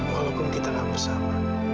walaupun kita gak bersama